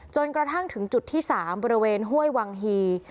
จนกระทั่งถึงจุดที่๓บริเวณห้วยวังฮี